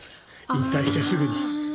引退してすぐに。